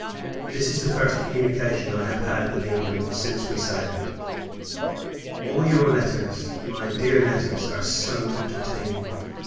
This is the first communication I have had with England since we sailed. All your letters, my dear letters, are so entertaining!